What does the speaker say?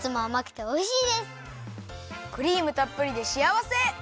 クリームたっぷりでしあわせ！